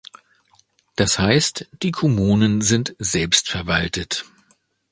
Das heißt, die Kommunen sind selbstverwaltet.